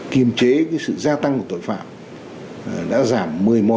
kiềm chế sự gia tăng của tội phạm đã giảm một mươi một ba mươi ba